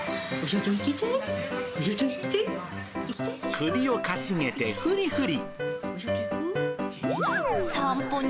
首をかしげてふりふり。